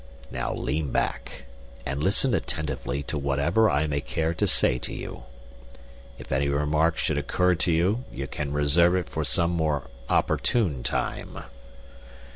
Now lean back, and listen attentively to whatever I may care to say to you. If any remark should occur to you, you can reserve it for some more opportune time.